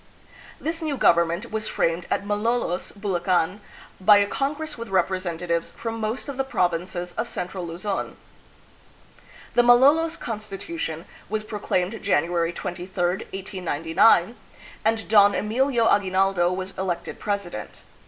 This new government was framed at Malolos, Bulacan, by a congress with representatives from most of the provinces of central Luzon. The "Malolos Constitution" was proclaimed January 23, 1899, and Don Emilio Agui naldo was elected president.